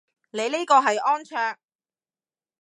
你呢個係安卓